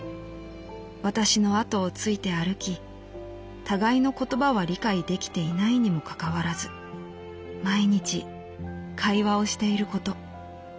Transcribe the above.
私の後をついて歩き互いの言葉は理解できていないにもかかわらず毎日会話をしていること。